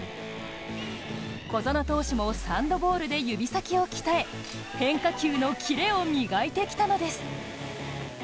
小園投手も、サンドボールで指先を鍛え変化球のキレを磨いてきたのです。